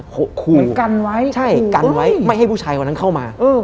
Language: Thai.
เหมือนกันไว้ใช่กันไว้ไม่ให้ผู้ชายวันนั้นเข้ามาเออ